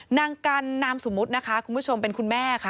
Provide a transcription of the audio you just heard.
นางกันนามสมมุตินะคะคุณผู้ชมเป็นคุณแม่ค่ะ